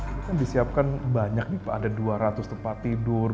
bisa disiapkan banyak ada dua ratus tempat tidur